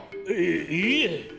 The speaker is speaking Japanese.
いいいえ！